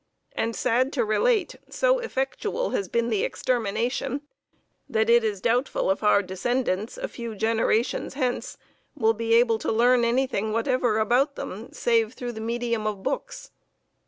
And, sad to relate, so effectual has been the extermination, that it is doubtful if our descendants a few generations hence will be able to learn anything whatever about them save through the medium of books.